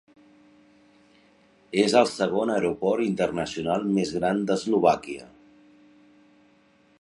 És el segon aeroport internacional més gran d'Eslovàquia.